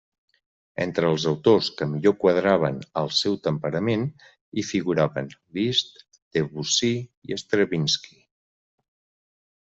Entre els autors que millor quadraven al seu temperament, hi figuraven Liszt, Debussy i Stravinski.